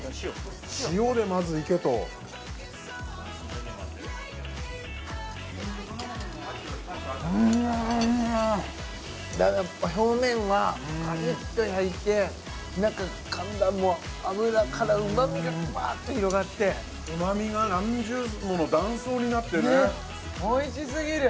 塩でまず行けとうーんやっぱ表面はカリッと焼いて中かんだらもう脂から旨みがぶわーっと広がって旨みが何重もの断層になってるねおいしすぎる！